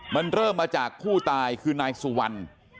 มันเริ่มมาจากผู้ตายคือนายสุวรรณ